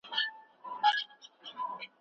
کله به افغانستان له نړۍ سره قوي اړیکي ولري؟